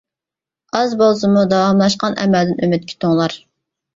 ئاز بولسىمۇ داۋاملاشقان ئەمەلدىن ئۈمىد كۈتۈڭلار!